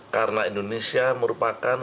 karena indonesia merupakan